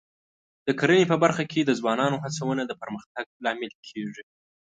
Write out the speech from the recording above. د کرنې په برخه کې د ځوانانو هڅونه د پرمختګ لامل کېږي.